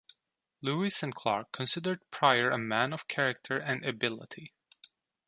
Lewis and Clark considered Pryor a man of character and ability.